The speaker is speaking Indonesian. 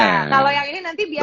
kalau yang ini nanti biar tahu